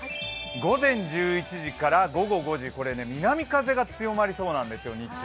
午前１１時から午後５時、南風が強まりそうなんですよ、日中。